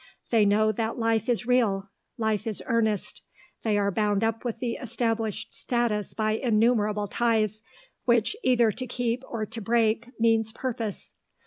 They know that life is real, life is earnest; they are bound up with the established status by innumerable ties, which either to keep or to break means purpose.